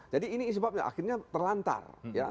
jadi ini sebabnya akhirnya terlantar